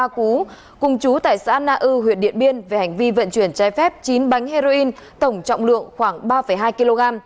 lầu a cú cùng chú tại xã na ư huyện điện biên về hành vi vận chuyển chai phép chín bánh heroin tổng trọng lượng khoảng ba hai kg